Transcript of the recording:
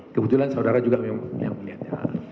kebetulan saudara juga memang yang melihatnya